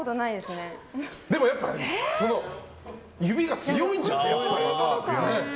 でも指が強いんじゃない？